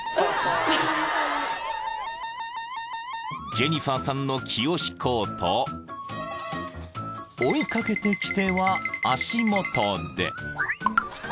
［ジェニファーさんの気を引こうと追い掛けてきては足元で］